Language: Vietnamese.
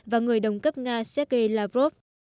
và người đồng cấp nga sergei lavrov